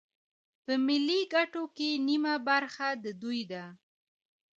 په ملي ګټو کې نیمه برخه د دوی ده